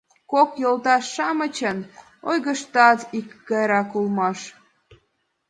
Кок йолташ-шамычын ойгыштат икгайракак улмаш.